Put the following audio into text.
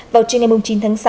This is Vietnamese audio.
vào trên ngày chín tháng sáu